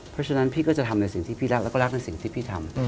เพราะฉะนั้นพี่ก็จะทำในสิ่งที่พี่รักแล้วก็รักในสิ่งที่พี่ทำ